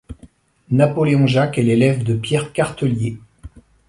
Napoléon Jacques est l'élève de Pierre Cartellier.